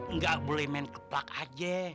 nggak boleh main keplak aja